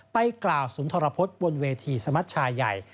ไปกล่าวสุนทรพฤษบนเวทีสมัชชายใหญ่